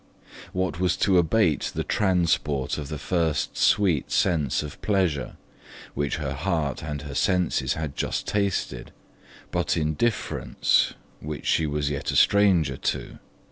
What was to abate the transport of the first sweet sense of pleasure, which her heart and her senses had just tasted, but indifference which she was yet a stranger to?